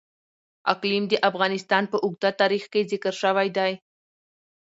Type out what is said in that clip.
اقلیم د افغانستان په اوږده تاریخ کې ذکر شوی دی.